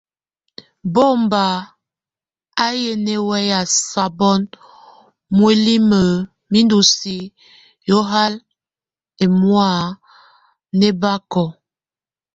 Mbó mbaŋ ayé nɛmɛ sabon muelíne mindusí yohal emɔ́a nebako.